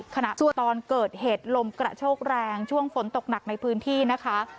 ขณะตอนเกิดเหตุลมกระโชกแรงช่วงฝนตกหนักในพื้นที่นะคะ